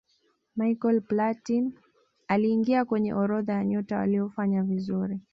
michael platin aliingia kwenye orodha ya nyota waliofanya vizuri